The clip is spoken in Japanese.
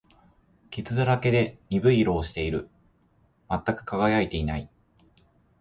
傷だらけで、鈍い色をしている。全く輝いていない。